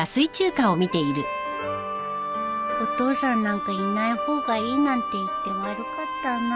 お父さんなんかいない方がいいなんて言って悪かったな